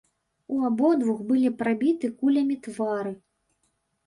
У абодвух былі прабіты кулямі твары.